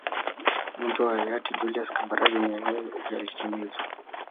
mawazo ya hayati julius kambarage nyerere yalitimizwa